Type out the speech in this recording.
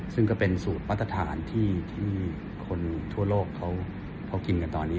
ซึ่งก็เป็นสูตรมาตรฐานที่คนทั่วโลกเขากินกันตอนนี้